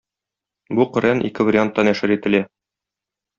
Бу Коръән ике вариантта нәшер ителә.